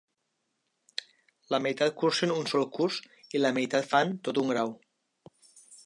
La meitat cursen un sol curs i la meitat fan tot un grau.